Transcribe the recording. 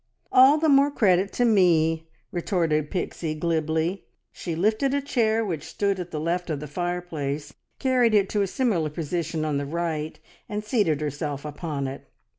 "All the more credit to me!" retorted Pixie glibly. She lifted a chair which stood at the left of the fireplace, carried it to a similar position on the right, and seated herself upon it.